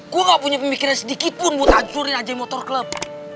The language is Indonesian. gue gak punya pemikiran sedikit pun buat hancurin aja motorclub